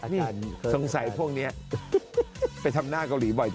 นี่สงสัยพวกนี้ไปทำหน้าเกาหลีบ่อย